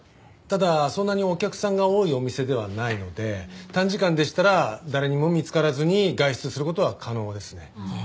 ただそんなにお客さんが多いお店ではないので短時間でしたら誰にも見つからずに外出する事は可能ですね。